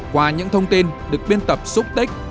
qua những thông tin được biên tập xúc tích